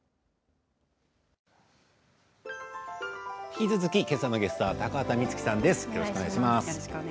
引き続き、けさのゲストは高畑充希さんです。